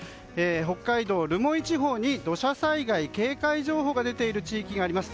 北海道留萌地方に土砂災害警戒情報が出ている地域があります。